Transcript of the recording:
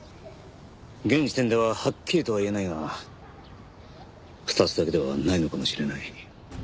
現時点でははっきりとは言えないが２つだけではないのかもしれない。